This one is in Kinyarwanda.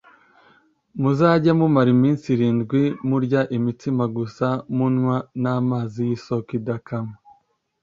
Muzajye mumara iminsi irindwi murya imitsima gusa munywa na mazi y ‘isoko idakama